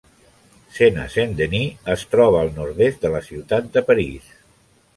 Sena Saint-Denis es troba al nord-est de la ciutat de París.